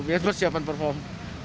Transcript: biasanya persiapan perform